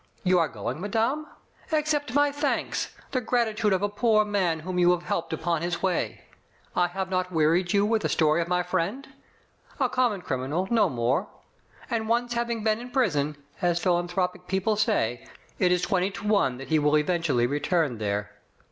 You are goings madame? Accept my thanks, the gratitude of a poor man whom you have helped upon his way. I have not wearied you with the story of my friend? A common criminal, no more. And once having been in prison, as philanthropic people say, it is twenty to one that he will eventually return there.